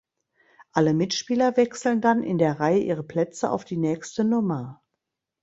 Alle Mitspieler wechseln dann in der Reihe ihre Plätze auf die nächste Nummer.